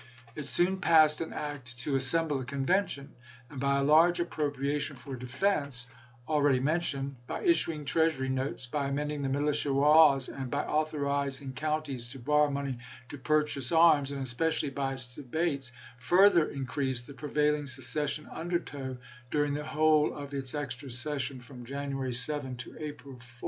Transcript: It soon passed an act to assemble a convention ; and by a large appropria tion for defense, already mentioned, by issuing treasury notes, by amending the militia laws, and by authorizing counties to borrow money to pur chase arms, and especially by its debates, further increased the prevailing secession undertow during the whole of its extra session, from January 7 to April 4.